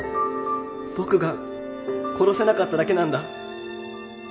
僕が殺せなかっただけなんだ。